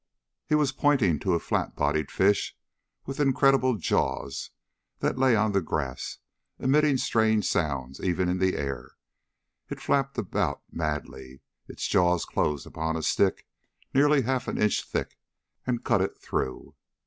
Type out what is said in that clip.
He was pointing to a flat bodied fish with incredible jaws that lay on the grass, emitting strange sounds even in the air. It flapped about madly. Its jaws closed upon a stick nearly half an inch thick, and cut it through.